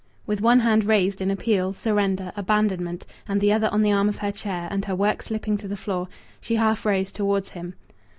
With one hand raised in appeal, surrender, abandonment and the other on the arm of her chair, and her work slipping to the floor, she half rose towards him.